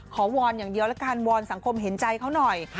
วอนอย่างเดียวละกันวอนสังคมเห็นใจเขาหน่อย